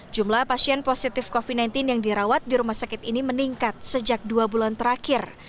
jumlah pasien positif covid sembilan belas yang dirawat di rumah sakit ini meningkat sejak dua bulan terakhir